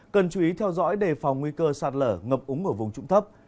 cần chú ý theo dõi đề phòng nguy cơ sạt lở ngập úng ở vùng trụng thấp